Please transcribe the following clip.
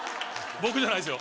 僕じゃないですよ